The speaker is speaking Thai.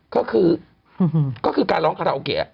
ก็คือก็คือการร้องคาราโอเกะ